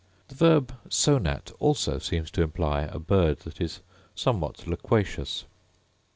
The verb sonat also seems to imply a bird that is somewhat loquacious.